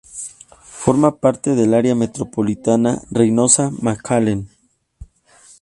Forma parte de Área metropolitana Reynosa-McAllen.